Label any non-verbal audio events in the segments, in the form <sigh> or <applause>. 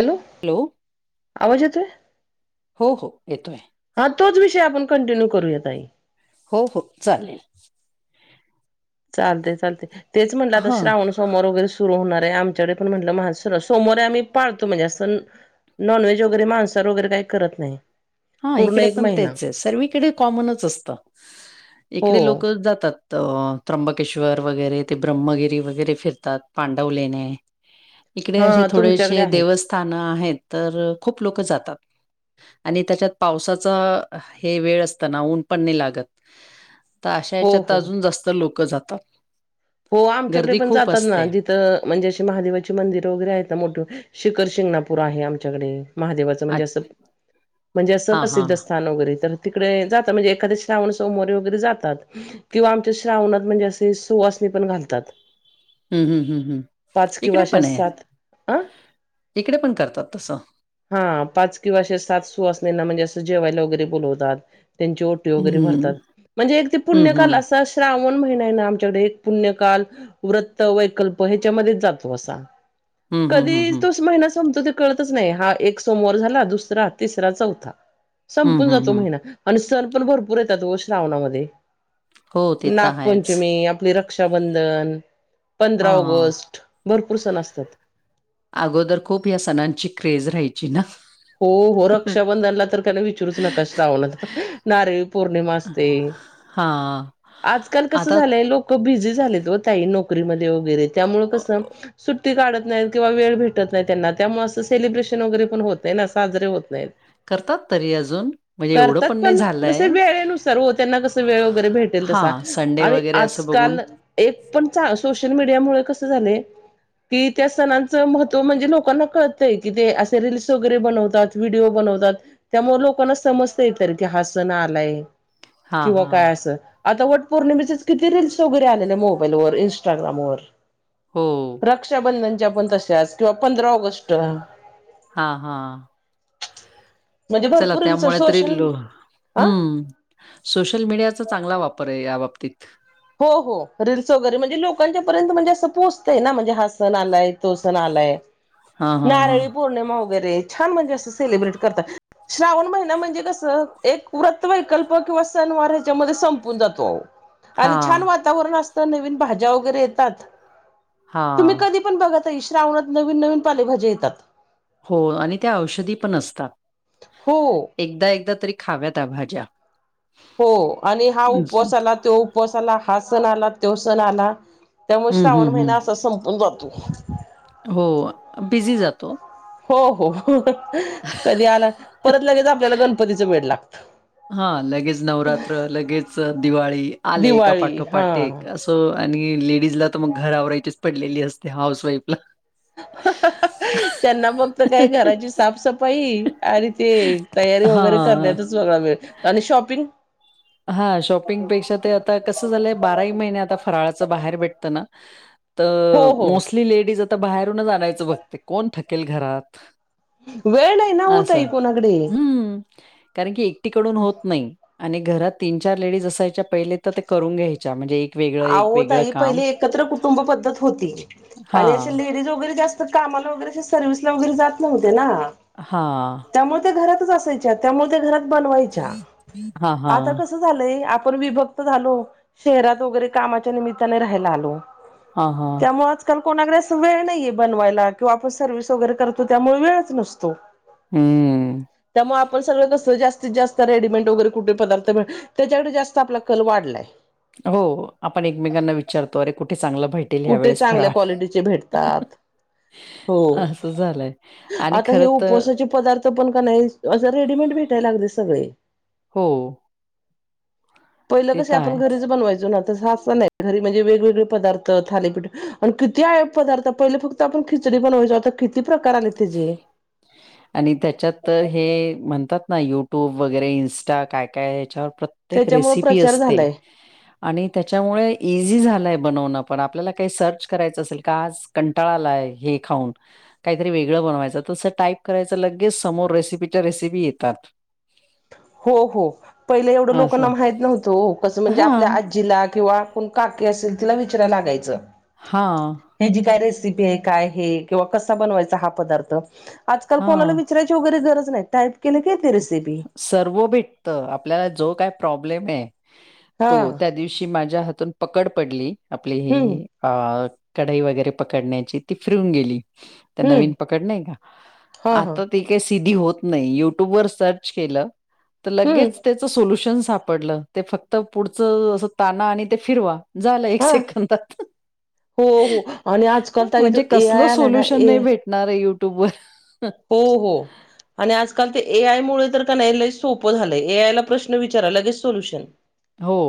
Hello आवाज येतोय हो, हो येतोय हा तोच विषय आपण कंटिन्यू करूया ताई हो, हो चालेल चालतय, चालतय तेच म्हणलं आता हां श्रावण समोर वगैरे सुरु होणार आहे आमच्याकडे पण म्हटल सोमवारी आम्ही पाळतो म्हणजे असं नॉनव्हेज वगैरे मांसर वगैरे काही करत नाही हा पूर्ण इकडे एक पण महिना तेच आहे सर्वकडे कॉमनच असतं हो इकडे लोक जातात त त्र्यंबकेश्वर वगैरे ते ब्रह्मगिरी वगैरे फिरतात पांडवलेने इकडे असे हा तुमच्याकडे थोडेसे आहेत देवस् स्थान आहेत तर खूप लोक जातात आणि त्याच्यात पावसाचा हे वेळ असताना ऊन पण लागत तर अशा हो याच्यात हो अजून जास्त लोकं जातात हो आमच्याकडे गर्दी पण खूप जातात ना असते जिथं म्हणजे अशी महादेवाची मंदिर वगैरे आहेत ना मोठे शिखर शिंगणापूर आहे आमच्याकडे महादेवाचं म्हणजे असं म्हणजे असं हा हा प्रसिद्ध अस न वगैरे तर तिकडे जात म्हणजे एखाद श्रावण सोमवारी वगैरे जातात किंवा आमच्या श्रावणात म्हणजे असे सुवासणी पण घालतात हम्म, हम्म, हम्म, हम्म इकडे पण आहे आं इकडे पण करतात तसं हा पाच किंवा असे सात सुवासिनींना म्हणजे असं जेवायला वगैरे बोलवतात त्यांची ओटी हं, वगैरे भरतात म्हणजे एक हं, पुण्यकाल हं. असं अस श्रावण महिना आहे ना आमच्याकडे एक पुण्यकाल व्रत वैकल्प ह्याच्यामध्येच जातो असा हं, हं, हं, कधी हं. तोस महिना संपतो ते कळतच नाही हा एक सोमवार झाला दुसरा, तिसरा, चौथा हं, संपून हं, जातो हं. महिना आणि सण पण भरपूर येतात व श्रावणामध्ये हो, ते तर आहेच. नागपंचमी आपली रक रक्षाबंधन, पंधरा हां. ऑगस्ट भरपूर सण असतात अगोदर खूप या सणांची क्रेज राहायची ना हो, हो रक्षाबंधनला तर का नाही विचरूच नका श्रावणात नारळी पौर्णिमा असते हा आजकाल कसं झालंय लोक बिझी झालेत हो तई नोकरीमध्ये वगैरे त्यामुळ अ, कसं सुट्टी काढत नाहीत किंवा वेळ भेटत नाही त्यां त्यामुळे असं सेलिब्रेशन वगैरे पण होत ना साजरे होत नाहीत करतात तरी अजून. म्हणजे एवढं करतात नाही पण जस झालंय. वेळेनुसार हो त्यांना कस वेळ वगैरे भेट ते तसा हां, संडे आणि वगैरे असं बघून आजकाल एक पण चां सोशल मीडिया मूळ कस झालय कि त्या सणांचं महत्व म्हणजे लोकांना कळतंय की ते असे रील्स वगैरे बनवतात व्हिडिओ बनवतात त्यामुळे लोकांना समजता येत की हा सण आलाय हां, किंवा हां. काय असं आता वट पौर्णिमेचेच किती रील्स वगैरे आले मोबाईलवर इंस्टाग्रामवर हो. रक्षाबंधनच्या पण तश्याच किंवा पंधरा ऑगस्ट हा, हा चला भरपूर रील्स त्यामुळे तर सोशल इलो हा हम्म सोशल मीडियाचा चांगला वापर आहे या बाबतीत. हो हो. रील्स वगैरे म्हणजे लोकांच्या पर्यंत म्हणजे असं पोहोचतय ना? म्हणजे हा सण आलाय. तो सण आलाय. हां, हां, हां. नारळी पौर्णिमा वगैरे छान म्हणजे असं सेलिब्रेट करतात. श्रावण महिना म्हणजे कसं? एक व्रत वैकल्प किंवा सण वार ह्याच्यामध्ये संपून जातो अहो. आणि छान हां, वातावरण असत. नवीन भाज्या वगैरे येतात. तुम्ही हां. कधी- पण बघा ताई श्रावणात नवीन नवीन पालेभाज्या येतात. हो. आणि त्या औषधी पण असतात. हो. एकदा एकदा तरी खाव्यात या भाज्या. हो. आणि हा हं, उपवास आला. तो उपवास आला. हा सण आला. तो सण आला. त्यामुळे श्रावण हं, हं. महिना असाच संपून जातो. हो. बिझी जातो. हो हो. कधी आला? परत लगेच आपल्याला गणपतीच वेड लागत. हा. लगेच नवरात्र. लगेच दिवाळी. आले एका दिवाळी पाठोपाठ हा एक असं- हो आणि लेडीजला तर मग घर आवरायचीच पडलेली असते हाऊस वाईफला. त्यांना फक्त काय घराची साफसफाई. आणि ते तयारी वगैरे हां. करण्यातच वेगळा वेळ आणि शॉपिंग? हा शॉपिंगपेक्षा ते आता कस झालंय? बाराही महिने आता फराळाच बाहेर भेटतं ना? हो तर हो मोस्टली लेडीज आता बाहेरूनच आणायचं बघते. कोण थकेल घरात. वेळ नाही ना हो आस. ताई कोणाकडे हम्म. कारण की एकटीकडून होत नाही. आणि घरात तीन चार लेडीज असायच्या पहिले तर ते करून घ्यायच्या म्हणजे- वेगळं, एक आवो वेगळं ताई काम पहिले एकत्र कुटुंब पद्धत होती आणि हां. असे लेडीज वगैरे जास्त- कामाला वगैरेे सर्वि्हसला वगैरे जात नव्हते ना? हां. त्यामुळे त्या घरातच असायच्या. त्यामुळे त्या घरात बनवायच्या. हां, आता हां. कस? झालंय? आपण विभक्त झालो. शहरात वगैरे कामाच्या निमित्ताने राहायला आलो. हां, हां. त्यामुळे आज- आजकाल कोणाकडे असं वेळ नाहीये बनवायला. किंवा आपण सर्व्हिस वगैरे करतो त्यामुळे वेळच नसतो. हम. हम. त्यामुळे आपण सगळं कसं जास्तीत जास्त रेडीमेड वगैरे कुठे पदार्थ भेट - त्याच्याकडे जास्त आपला कल वाढलाय. हो. आपण एकमेकांना विचारतो अरे कुठे चांगलं भेट- कुठे चांगल्या क्वालिटीचे भेटतात? हो. असं झालंय आणि आता हे खरं तर उपवासाचे- पदार्थ पण का नाही असं रेडीमेड भेटायला लागले सगळे. हो. पहिलं ते कस तर आपण आहेच. घरीच बनवायचो ना? तस <unintelligible> नाही घरी म्हणजे वेगळे पदार्थ- थालीपीठ. आणि किती आहे पदार्थ? पहिले फक्त आपण खिचडी बनवायचो आता किती प्रकार आलेत त्याचेे. आणि त्याच्यात तर हे म्हणतात ना युट्यूब वगैरे इन्स्टा काय काय याच्यावर प्रत्येक- एक त्याच्यामुळे रेसिपी प्रचार असते. झालाय आणि त्याच्यामुळे इझी झालय बनवणं पण. आपल्याला काही सर्च करायचं असेल का आज- कंटाळा आलाय हे खाऊन काहीतरी वेगळं बनवायच. तस टाईप - करायच लगेच समोर रेसिपीच्या रेसिपी येतात. हो. हो. पहिले एवढं असं. लोकांना माहीत नव्हतं हो. कसं म्हणजे आपल्या हां, आजीला किंवा- कोण काकी असेल तिला विचारय लागायचं. हां! ह्या जी काय रेसिपी आहे काय हे किंवा कसा बनवायचा हा पदार्थ आजकाल कोणाला हां. विचरायच? विचारायची वगैरे गरज नाही टायप केलं की येती रेसिपी. सर्व भेटत आपल्याला जो काय प्रॉब्लेम आहे हा तो त्या दिवशी माझ्या हातून पकड पडली आपली ही हम्म ही अ कढई वगैरे पकडण्याची ती फिरून गेली तर हम्म नवीन पकड नाही का हा हा आता ती काही सिधी होत नाही यु ट्यूब वर सर्च केलं तर हम्म लगेच त्या च सोल्युशन सापडलं ते फक्त पुढच अस ताणा आणि ते फिरवा. झालं एक हा सेकंदात हो हो आणि आजकाल ताई ए-आय आलाय ना ए असणार यूट्यूबवर. हो हो! आणि आजकाल ते ए आय मुळं तर क न्हाय लय सोपं झालंय ए आयला प्रश्न विचारा लगेच सोल्युशन हो!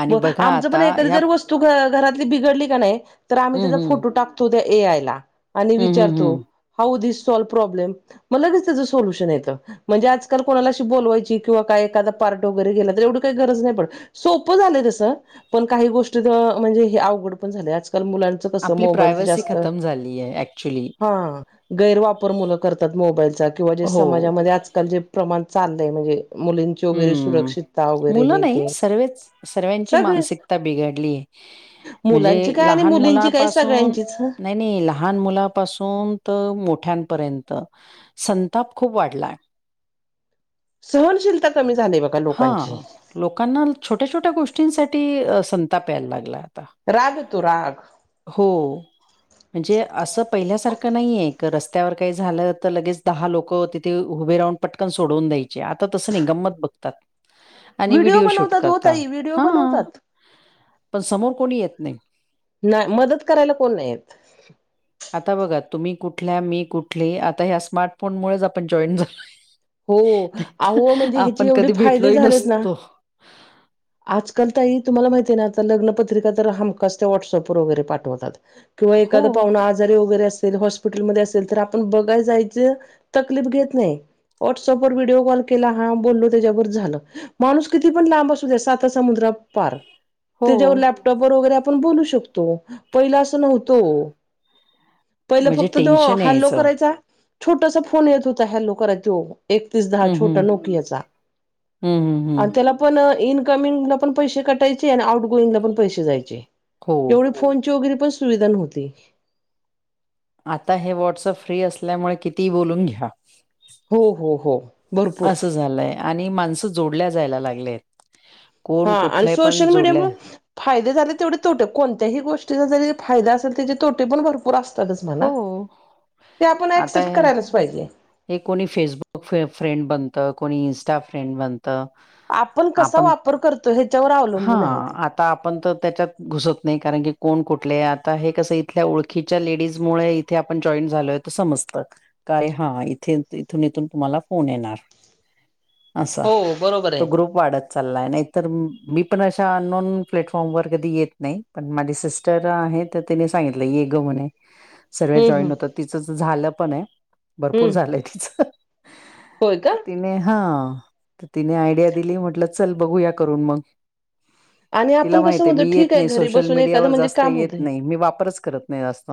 आणि मग बघा आमचं पण आता एखादी ह्या जर वस् तु घ घरातली बिघडली क न्हाय तर आम्ही हं, त्याचा हं. फोटो टाकतो त्या ए आयला. आणि हं, हं, विचारतो हं. हाऊ दिस सॉल्व प्रॉब्लेम म लगेच त्याचं सोल्युशन येतं. म्हणजे आजकाल कोणाला अशी बोलवायची किंवा काय एखादा पार्ट वगैरे गेला तर एवढं काही गरज नाही पडत सो प झालंय तस पण काही गोष्टीत म्हणजे हे अवघड पण झालंय आज काल मुलांच कस मोबाईल च जास्त ॲक्चुली हा गैरवापर मुलं करतात मोबाईलचा किंवा जे हो. समाजामध्ये आज आज काल जे प्रमाण चाललंय म्हणजे मुलींची वगैरे सुरक्षितता वगैरे हे ते सर्ववेच. सर्व्यांची सगळे मानसिकता बिघडलीय. मुलांची म्हणजे काय आणि लहान मुलींची काय मुलापासून सगळ्यांचीच नाही नाही लहान मुलापासून तर मोठ्यांपर्यंत संताप खूप वाढलाय सहनशीलता कमी झाली बघा लोकांची. हां. लोकांना छोट्या छोट्या गोष्टींसाठी संताप याय लागला आता राग येतो राग हो म्हणजे अस पहिल्यासारंख नाही की रस् त्यावर काही झालं तर लगेच दहा लोक तिथे उभे राहून पटकन सोडवून द्यायचे आता तस नाही गमत बघतात आणि व्हिडिओ व्हडिओ शूट बनवतात हो करता ताई व्हिडिओ हा. बनवतात पण समोर कोणी येत नाही न्हाय मदत करायला कोण नाही येत. <inaudible> आता बघा तुम्ही कुठल्या मी कुठली आता ह्या स्मार्टफोन मुळेच आपण जॉईन झालोय. हो, आवो नाहीतर आपण कधी भेटलो ही नसतो. आजकाल ताई तुम्हाला माहिती आहे ना आता लग्नपत्रिका तर हमखास त्या व्हॉट्सअपवर वगैरे पाठवतात. किंवा हो, एखादा पाहुणा आज री वगैरे असेल हॉस्पिटल मध्ये असेल तर आपण बघाय जायची तकलीफ घेत नाही. व्हॉट्सअपवर व्हिडिओ कॉल केला हा बोललो त्याच्यावर झालं. माणूस किती पण लांब असू द्या साता समुद्रापार. हो. त्याच्यावर लॅपटॉपवर वगैरे आपण बोलू शकतो. पहिला अस नव्हत हो. पहिलं म्हणजे फक्त तो टेन्शन हॅल्लो यायचं. करायचा, छोटासा फोन येत होता हॅल्लो कराय तो‌. एकतीस दहा हं, छोटा हं. नोकियाचा. हं, हं, हं. आणि त्याला पण इनकमिंगल पण पैसें कटायचे. आणि आउट गोइंगला पण पैसे जायचे. हो. फोनची वगैरे पण सुविधा नव्हती. आता हे व्हॉट्सअप फ्री असल्यामुळे कितीही बोलून घ्या. हो हो हो भरपूर अस झालय. आणि माणस जोडल्या जायला लागलेयत. हा आणि सोशल मीडिया मुळ फाये झाले तेवढे तोटे. कोणत्याही गोष्टीचा झाले फायदा असेल त्याचे तोटे पण भरपूर आस सगळच हो. म्हणा. ते आपण आता ॲक्सेप्ट करायलाच पाहिजे. हे कोणी फेसबुक फे फ्रेंड बनत. कोणी इंस्टा फ्रेंड बनत. त कसा आपण वापर करतो ह्याच्यावर हा अवलंबून आहे ते आता आपण तर त्याच्यात घुसत नाही. कारण की कोण कुठले, आता हे कस आहे इथल्या ओळखीच्या लेडीज मुळे इथे आपण जॉईट झालोय तर समजत‌ काय हा इथून इथून तुम्हाला फोन येणार अस. हो बरोबर तो आहे. ग्रुप वाढत चाललाय. नाहीतर मी पण अशा अननोन प्लॅटफॉर्म वर कधी येत नाही. पण माझी सिस्टर आहे तर तिने सांगितल, ये ग म्हणे. सर्वच हम्म जॉईट हम्म होतात. तिच झाल पण आहे. भरपूर हम्म झालय तिच. होय का? तिने ह तिने आयडिया दिली. म्हटल चल बघूया करून मग. आणि तिला आपण माहित कसं आहे म्हणतो मी ठीक येत नाही. घरी सोशल बसून एखादं मीडियावर म्हणजे जास्त काम येत होतंय. नाही. मी वापरच करत नाही जास्त.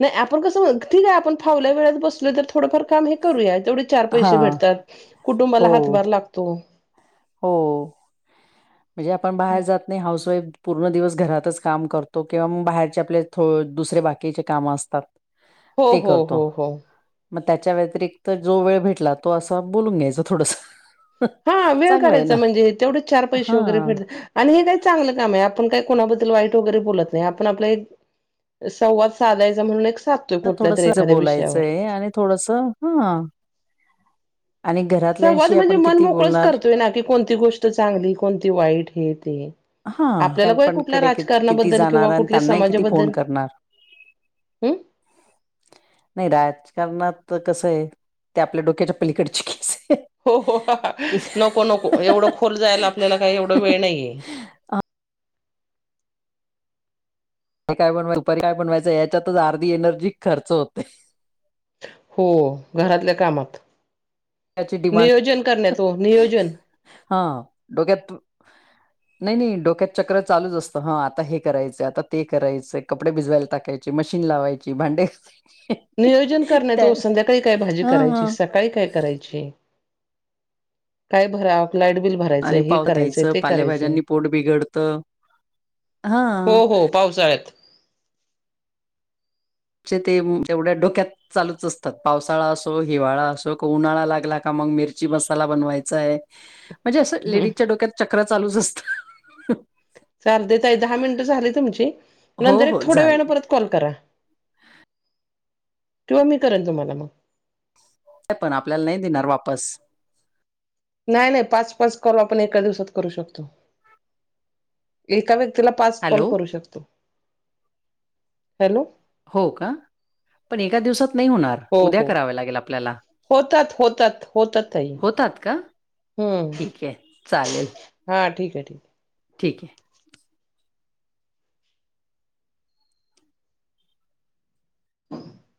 नाही आपण कस म्हणतो. ठीक आहे आपण फावल्या वेळात बसलो तर थोडफार काम हे करूया. तेवढेच चार हा पैसे भेटतात. कुटुंबाला हो हातभार लागतो. हो म्हणजे आपण बाहेर जात नाही. हाऊस वाईफ पूर्ण दिवस घरातच काम करतो. किंवा बाहेरचे आपल्या दुसरे बाकीचे काम असतात हो ते हो करतो. हो हो मग त्याच्या व्यतिरिक्त जो वेळ भेटला तो अस बोलून घ्यायच थोडस. हा वेळ काढायचा म्हणजे, तेवढच चार पैसे वगैरे हां भेटता. आणि हे काही चांगल काम आहे. आपण काही कोणाबद्दल वाईट वगैरे बोलत नाही. आपण आपल संवाद साधायचा म्हणून एक सााध थोडस बोलायचय. आणि थोडस हा संवाद म्हणजे मन मोकळच करतोय ना. की कोणती गोष्ट चांगली. कोणती वाईट. हे ते आपल्याला हां बय पण कुठल्या कडे कित किती राजकारणाबद्दल जाणार किंवा आणि कुठल्या त्यांनाही किती समाजाबद्दल फोन करणार हम्म <inaudible> नाही राजकारणात कस आहे, ते आपल्या डोक्याच्या पलीकडची केस आहे. हो ते नको नको, एवढ खोल जायला आपल्याला काही एवढ वेळ नाहीये. हे काय बनवाय. दुपारी काय बनवायच. याच्यातच अर्धी एनर्जी खर्च होते. हो घरातल्या कामात, त्याची डिमांड नियोजन करण्यात हो नियोजन हा डोक्यात नाही नाही डोक्यात चक्र चालूच असत. ह आता हे करायचय. आता ते करायचय. कपडे भिजवायला टाकायचे मशीन लावायची. भांडे घासायची नियोजन करायच तो संध्याकाळी काय भाजी हा करायची हा स काय, काय, करायची काय भरा लाईट बिल आणि भरायचंय हे पाव करायचंय द्यायचं ते करायचंय पालेभाज्यांनी पोट बिघडत हा. हो हो पावसाळ्यात त्याचे ते म जेवढ्या डोक्यात चालूच असतात पावसाळा असो, हिवाळा असो, उन्हाळा लागला का मग मिरची मसाला बनवायचा आहे. म्हणजे असं हम् लेडीजच्या डोक्यात चक्रा चालूच असतात. चालतेेत ताई दहा मिनिटं झाली तुमची हो नंतर एक हो थोडं वेळ झालंय परत कॉल करा किंवा मी करेन तुम्हाला मग. पण आपल्याला नाही देणार वापस नाही, नाही पाच, पाच कॉल आपण एका दिवसात करू शकतो. एका व्यक्तीला पाच कॉल हॅलो करू शकतो, हॅलो. हो का पण एका दिवसात नाही होणार. हो उद्या हो कराव्या लागेल आपल्याला, होतात होतात होतात ताई होतात का? ठीक आहे चालेल. हां ठीक आहे, ठीक आहे. ठीक आहे. <unintelligible>